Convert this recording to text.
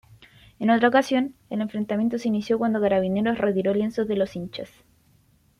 En otra ocasión, el enfrentamiento se inició cuando Carabineros retiró lienzos de los hinchas.